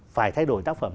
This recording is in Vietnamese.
phải thay đổi tác phẩm